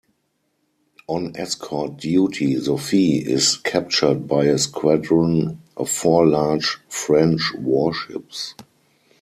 On escort duty, "Sophie" is captured by a squadron of four large French warships.